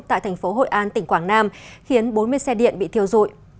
tại thành phố hội an tỉnh quảng nam khiến bốn mươi xe điện bị thiêu dụi